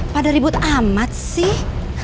pada ribut amat sih